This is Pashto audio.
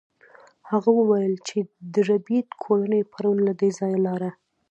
هغې وویل چې د ربیټ کورنۍ پرون له دې ځایه لاړه